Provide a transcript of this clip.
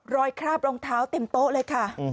คราบรองเท้าเต็มโต๊ะเลยค่ะ